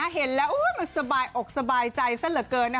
เห็นแล้วมันสบายอกสบายใจซะเหลือเกินนะ